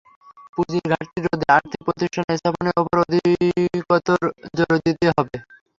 পুঁজির ঘাটতি রোধে আর্থিক প্রতিষ্ঠান স্থাপনের ওপর অধিকতর জোর দিতে হবে।